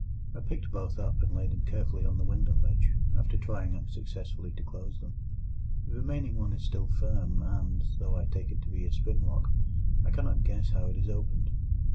I picked both up, and laid them carefully on the window ledge, after trying unsuccessfully to close them. The remaining one is still firm, and, though I take it to be a spring lock, I cannot guess how it is opened.